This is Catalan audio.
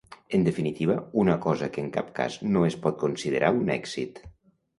En definitiva, una cosa que en cap cas no es pot considerar un èxit.